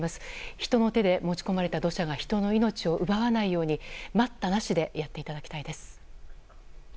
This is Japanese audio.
人の手で持ち込まれた土砂が人の命を奪わないように待ったなしでやっていただきたいです。